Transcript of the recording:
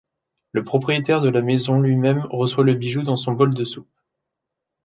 Le propriétaire de la maison lui-même reçoit le bijou dans son bol de soupe.